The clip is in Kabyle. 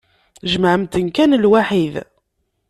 Jemɛemt-ten kan lwaḥid.